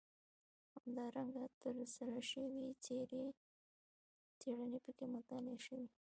همدارنګه ترسره شوې څېړنې پکې مطالعه شوي.